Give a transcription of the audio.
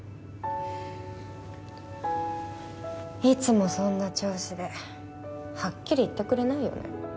いつもそんな調子ではっきり言ってくれないよね。